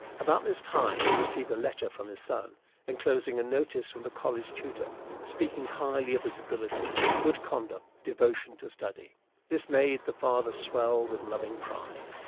About this time he received a letter from his son, enclosing a notice from the college tutor, speaking highly of his ability, good conduct, devotion to study. This made the father swell with loving pride.